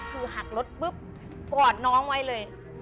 คือหักรถปุ๊บกอดน้องไว้เลย